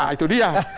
nah itu dia